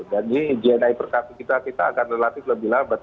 jadi gni perkasaan kita akan relatif lebih lambat